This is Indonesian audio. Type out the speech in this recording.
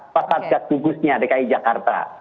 pak satgas gugusnya dki jakarta